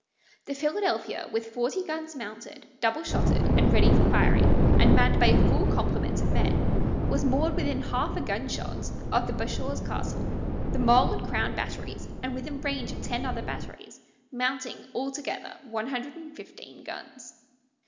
The Philadelphia, with forty guns mounted, double shotted, and ready for firing, and manned by a full complement of men, was moored within half a gunshot of the Bashaw's castle, the mole and crown batteries, and within range of ten other batteries, mounting, altogether, one hundred and fifteen guns.